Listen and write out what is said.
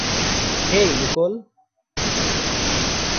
হেই, Nicole.